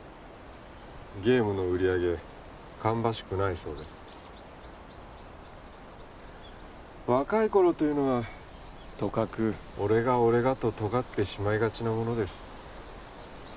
ゲームの売上芳しくないそうで若い頃というのはとかく俺が俺がととがってしまいがちなものです